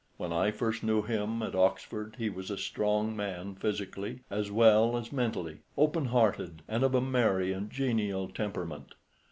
When I first knew him at Oxford he was a strong man physically as well as mentally; open hearted, and of a merry and genial temperament.